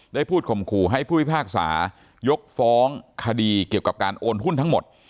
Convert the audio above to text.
ได้พูดข่มขู่ให้ผู้พิพากษายกฟ้องคดีเกี่ยวกับการโอนหุ้นทั้งหมด